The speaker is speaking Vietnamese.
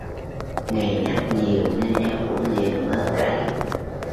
ngày nhắc nhiều nên em cũng liền mơ thấy